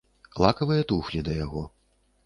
Лакавыя туфлі да яго.